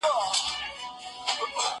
زه اجازه لرم چي د کتابتون د کار مرسته وکړم!!